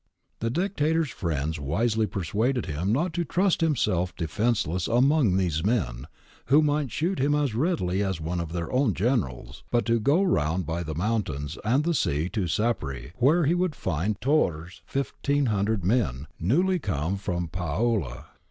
The Dictator's friends wisely persuaded him not to trust himself defenceless among these men, who might shoot him as readily as one of their own generals, but to go round by the mountains and the sea to Sapri, where he would find Turr's 1500 men newly come from Paola.